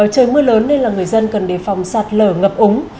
trời mưa lớn nên là người dân cần đề phòng sạt lở ngập úng